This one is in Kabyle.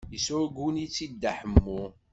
Yesɛuggen-itt-id Dda Ḥemmu.